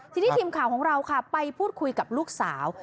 ทีนี้ทีมข่าวของเราค่ะไปพูดคุยกับลูกสาว